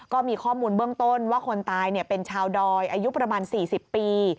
ก็มีข้อมูลเบื้องต้นว่าคนตายเป็นชาวดอยอายุประมาณ๔๐ปี